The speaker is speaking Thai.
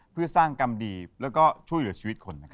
เพื่อสร้างกรรมดีและช่วยหลักชีวิตคน